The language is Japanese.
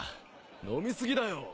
飲みすぎだよ。